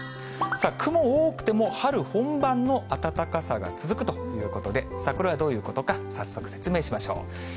雲多くても春本番の暖かさが続くということで、これはどういうことか、早速説明しましょう。